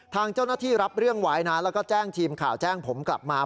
ทางเจ้าหน้าที่รับเรื่องไว้นะแล้วก็แจ้งทีมข่าวแจ้งผมกลับมา